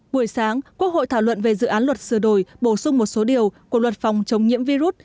buổi sáng quốc hội thảo luận về dự án luật sửa đổi bổ sung một số điều của luật phòng chống nhiễm virus